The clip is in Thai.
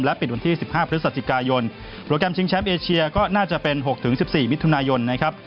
ปิดวันที่๑๕พฤศจิกายนโปรแกรมชิงแชมป์เอเชียก็น่าจะเป็น๖๑๔มิถุนายนนะครับ